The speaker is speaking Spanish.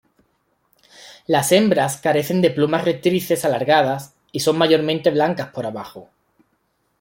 Las hembras carecen de plumas rectrices alargadas, y son mayormente blancas por abajo.